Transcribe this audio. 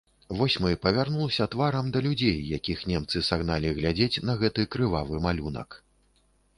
Восьмы павярнуўся тварам да людзей, якіх немцы сагналі глядзець на гэты крывавы малюнак.